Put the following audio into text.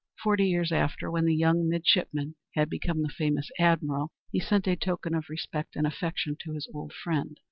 Forty years after, when the young midshipman had become the famous Admiral, he sent a token of respect and affection to his old friend.